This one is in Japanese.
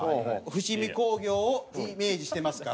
伏見工業をイメージしてますから。